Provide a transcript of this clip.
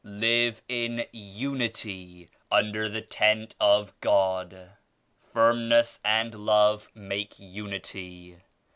Live in Unity under the Tent of God. Firmness and Love make Unity.